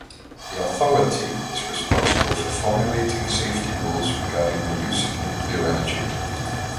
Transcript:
The authority is responsible for formulating safety rules regarding the use of nuclear energy.